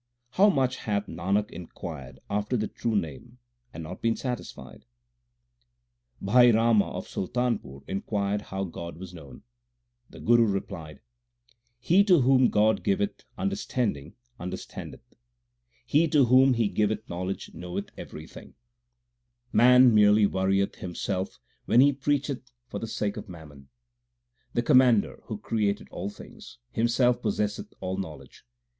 How much hath Nanak inquired after the True Name and not been satisfied \ Bhai Rama of Sultanpur inquired how God was known. The Guru replied : He to whom God giveth understanding understandeth ; 1 Literally is sometimes exalted and sometimes debased. 2go THE SIKH RELIGION He to whom He giveth knowledge knoweth everything. Man merely worrieth himself when he preacheth for the sake of mammon. The Commander, who created all things, Himself possesseth all knowledge.